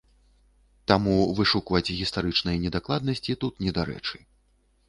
Таму вышукваць гістарычныя недакладнасці тут недарэчы.